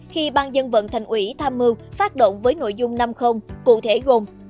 khi ban dương vận thành uỷ tham mưu phát động với nội dung năm cụ thể gồm